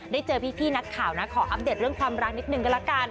เจอพี่นักข่าวนะขออัปเดตเรื่องความรักนิดนึงก็ละกัน